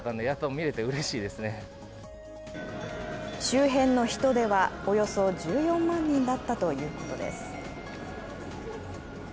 周辺の人出はおよそ１４万人だったと言うことです。